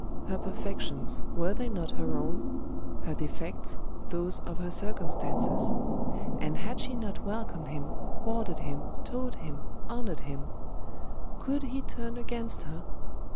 Her perfections, were they not her own? her defects, those of her circumstances?.... And had she not welcomed him, guarded him, taught him, honoured him?.... Could he turn against her?